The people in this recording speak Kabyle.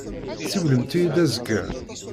Siwlemt-iyi-d azekka.